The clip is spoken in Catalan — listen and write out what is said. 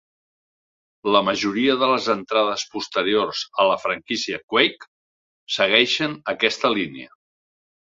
La majoria de les entrades posteriors a la franquícia "Quake" segueixen aquesta línia.